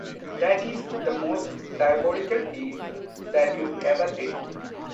That is the most diabolical deed that ever you did.